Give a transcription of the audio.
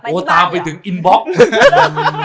โอ้โหตามไปถึงอินบล็อกซ์